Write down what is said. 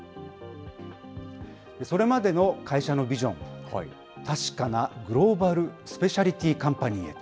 それまでの会社のビジョン、確かなグローバルスペシャリティカンパニーへ。